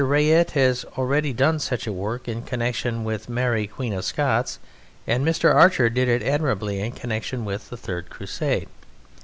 Rait has already done such work in connection with Mary Queen of Scots, and Mr. Archer did it admirably in connection with the Third Crusade.